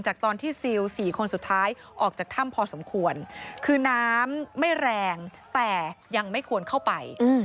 ตอนที่ซิล๔คนสุดท้ายออกจากถ้ำพอสมควรคือน้ำไม่แรงแต่ยังไม่ควรเข้าไป